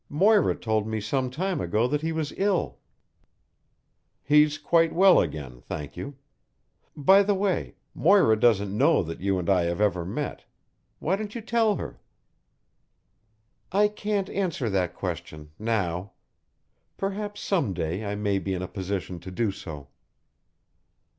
Moira told me sometime ago that he was ill." "He's quite well again, thank you. By the way, Moira doesn't know that you and I have ever met. Why don't you tell her?" "I can't answer that question now. Perhaps some day I may be in a position to do so."